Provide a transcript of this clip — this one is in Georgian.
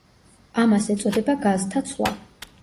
ამას ეწოდება გაზთა ცვლა.